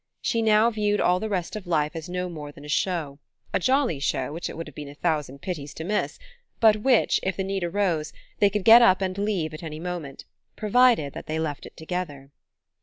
She now viewed all the rest of life as no more than a show: a jolly show which it would have been a thousand pities to miss, but which, if the need arose, they could get up and leave at any moment provided that they left it together.